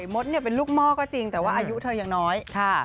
มดเป็นลูกมอกก็จริงแต่ไอ้จดยังที่น้อย